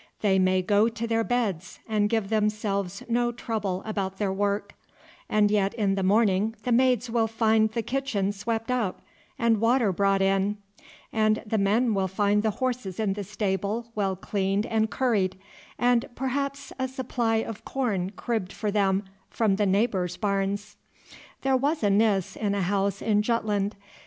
They may go to their beds and give themselves no trouble about their work, and yet in the morning the maids will find the kitchen swept up, and water brought in; and the men will find the horses in the stable well cleaned and curried, and perhaps a supply of corn cribbed for them from the neighbours' barns. There was a Nis in a house in Jutland.